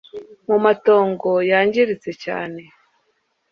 Mu matongo yangiritse cyane